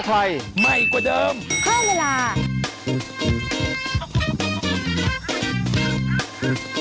ที่ไม่เคยพาดมือชายใด